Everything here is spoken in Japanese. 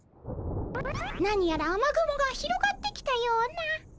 何やら雨雲が広がってきたような。